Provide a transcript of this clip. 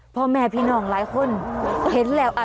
พ่อแม่น้องที่หลายคนมีลาย